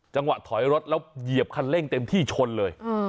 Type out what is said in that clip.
จังหวะถอยรถแล้วเหยียบคันเร่งเต็มที่ชนเลย